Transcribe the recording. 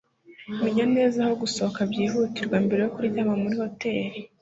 menya neza aho gusohoka byihutirwa mbere yo kuryama muri hoteri